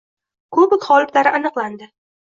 Kubok g‘oliblari aniqlandi